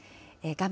画面